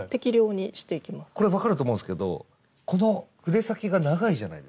これ分かると思うんすけどこの筆先が長いじゃないですか。